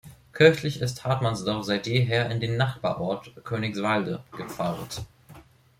Kirchlich ist Hartmannsdorf seit jeher in den Nachbarort Königswalde gepfarrt.